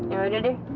ya udah deh